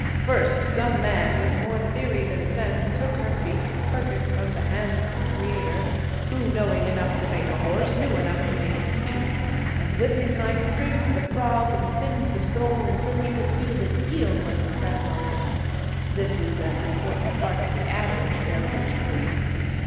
First some man, with more theory than sense, took her feet, perfect from the hand of the Creator, who, knowing enough to make a horse, knew enough to make its feet, and with his knife trimmed the frog and thinned the sole until he could feel it yield when he pressed on it. (This is an important part of the average farrier's creed).